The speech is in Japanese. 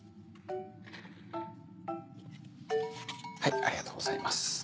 ありがとうございます